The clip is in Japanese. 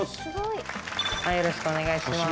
よろしくお願いします。